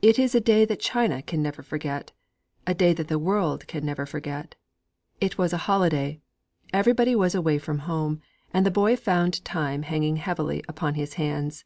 It is a day that China can never forget; a day that the world can never forget. It was a holiday; everybody was away from home; and the boy found time hanging heavily upon his hands.